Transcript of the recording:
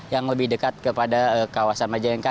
yang lebih dekat kepada kawasan majalengka